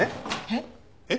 えっ？